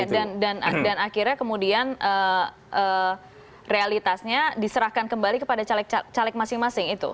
dan akhirnya kemudian realitasnya diserahkan kembali kepada caleg caleg masing masing